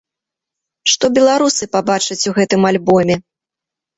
Што беларусы пабачаць у гэтым альбоме?